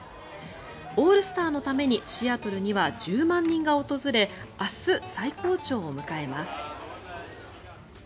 オールスターのためにシアトルには１０万人が訪れ明日、最高潮を迎えます。